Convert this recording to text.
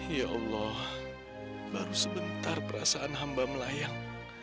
ya allah baru sebentar perasaan hamba melayang